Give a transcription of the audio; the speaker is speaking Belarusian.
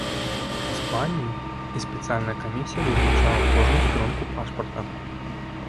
Іспаніі, і спецыяльная камісія вывучала кожную старонку пашпарта.